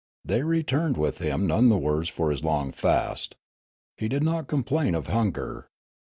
They returned with him none the worse for his long fast. He did not complain of hunger.